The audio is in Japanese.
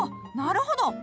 なるほど！